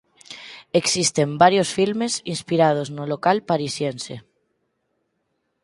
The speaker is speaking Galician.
Existen varios filmes inspirados no local parisiense.